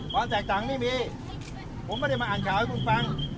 ความแตกต่างไม่มีผมไม่ได้มาอ่านข่าวให้คุณฟัง